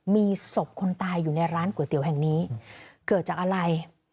มีศพคนตายอยู่ในร้านก๋วยเตี๋ยวแห่งนี้เกิดจากอะไร